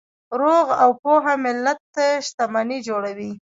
روغ او پوهه ملت شتمني جوړوي.